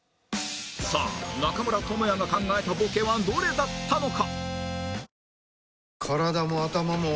さあ中村倫也が考えたボケはどれだったのか？